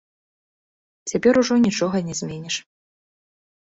Цяпер ужо нічога не зменіш.